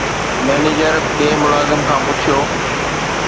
manager ٻئي ملازم کان پڇيو